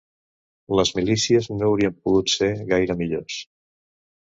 Les milícies no haurien pogut ser gaire millors